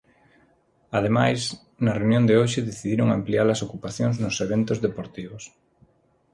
Ademais, na reunión de hoxe decidiron ampliar as ocupacións nos eventos deportivos.